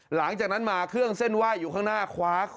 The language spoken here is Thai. หลังจากนั้นมาเครื่องเส้นไหว้อยู่ข้างหน้าคว้า